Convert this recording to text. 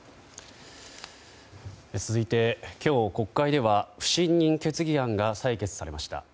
続いて今日、国会では不信任案決議案が採決されました。